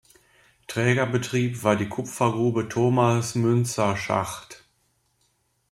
Trägerbetrieb war die Kupfergrube Thomas-Müntzer-Schacht.